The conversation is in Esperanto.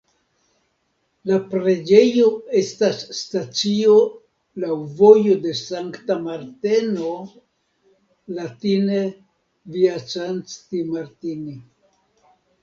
La preĝejo estas stacio laŭ "Vojo de Sankta Marteno" (latine Via Sancti Martini).